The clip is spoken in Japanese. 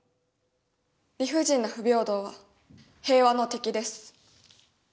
理不尽な不平等は平和の敵です。